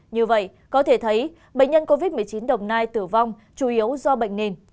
như vậy có thể thấy bệnh nhân covid một mươi chín đồng nai tử vong chủ yếu do bệnh nền